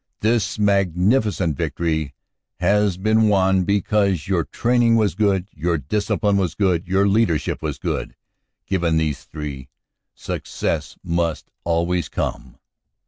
This magnificent victory has been won 60 CANADA S HUNDRED DAYS because your training was good, your discipline was good, your leadership was good. Given these three, success must always come.